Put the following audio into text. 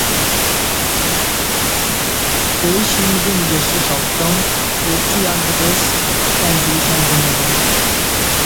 ঐ সিরিজে নিজস্ব সপ্তম ও চূড়ান্ত টেস্ট সেঞ্চুরি সম্পন্ন করেন।